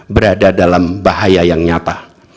berada dalam bahaya yang nyata